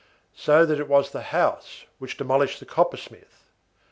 So that it was the house which demolished the coppersmith.